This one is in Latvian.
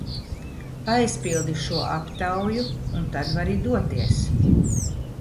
Aizpildi šo aptauju un tad vari doties!